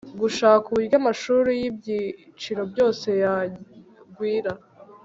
gushaka uburyo amashuri y'ibyiciro byose yagwira